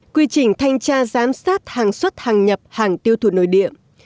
quy trình thanh tra giám sát hàng xuất hàng nhập hàng tiêu thụ nội địa